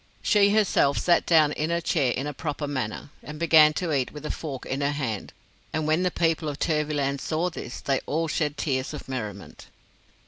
She, herself, sat down in her chair in a proper manner, and began to eat with the fork in her hand; and when the people of Turvyland saw this, they all shed tears of merriment.